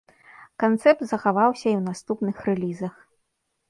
Канцэпт захаваўся і ў наступных рэлізах.